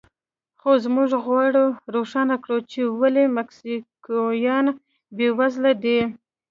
خو موږ غواړو روښانه کړو چې ولې مکسیکویان بېوزله دي.